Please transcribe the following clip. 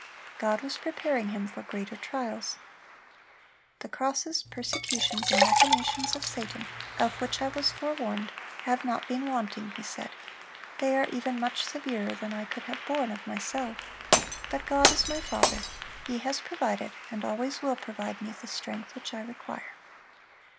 God was preparing him for greater trials. "The crosses, persecutions, and machinations of Satan, of which I was forewarned, have not been wanting," he said; "they are even much severer than I could have borne of myself; but God is my Father; He has provided and always will provide me the strength which I require."